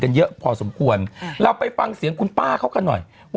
เยอะพอสมควรเราไปฟังเสียงคุณป้าเขากันหน่อยว่า